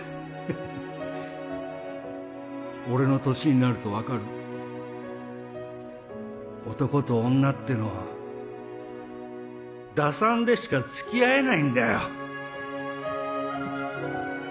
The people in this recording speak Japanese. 俺の年になると分かる男と女ってのは打算でしかつきあえないんだよ！